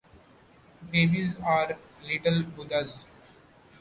Babies are little Buddhas.